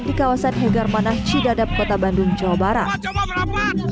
di kawasan hegar manah cidadap kota bandung jawa barat